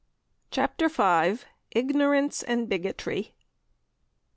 CHAPTER V. IGNORANCE AND BIGOTRY.